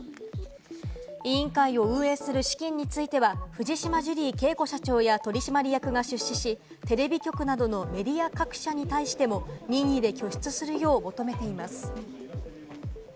委員会を運営する資金については藤島ジュリー景子社長や取締役が出資し、テレビ局などのメディア各社に対しても任意で拠出するよう求めています。